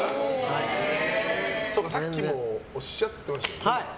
そうかさっきもおっしゃってましたね。